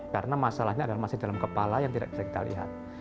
karena masalahnya adalah masih dalam kepala yang tidak bisa kita lihat